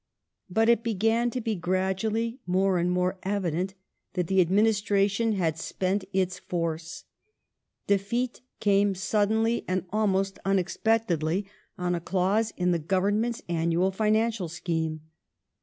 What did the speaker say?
But it began to be gradually more and more evident that the administration had spent its 356 THE STORY OF GLADSTONE'S LIFE force. Defeat came suddenly and almost unex pectedly on a clause in the Government s annual financial .scheme.